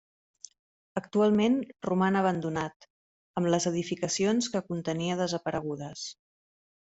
Actualment roman abandonat, amb les edificacions que contenia desaparegudes.